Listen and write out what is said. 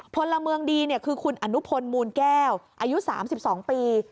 พลเมืองดีคือคุณอนุพลมูลแก้วอายุ๓๒ปี